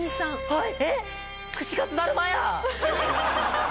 はい。